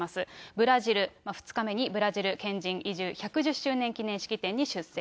ブラジル、２日目にブラジル県人移住１１０周年記念式典に出席。